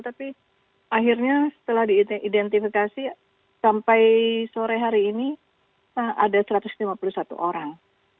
tapi akhirnya setelah diidentifikasi sampai sore hari ini ada satu ratus lima puluh satu orang